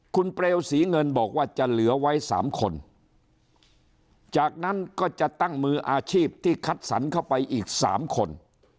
คุณเปลวศรีเงินบอกว่าจะเหลือไว้สามคนจากนั้นก็จะตั้งมืออาชีพที่คัดสรรเข้าไปอีกสามคน